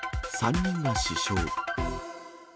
３人が死傷。